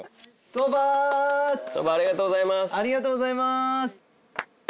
蕎麦ありがとうございます！